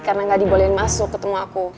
karena gak dibolehin masuk ketemu aku